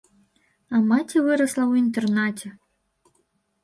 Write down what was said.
А маці вырасла ў інтэрнаце.